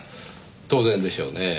当然でしょうねぇ。